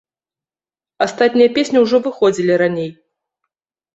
Астатнія песні ўжо выходзілі раней.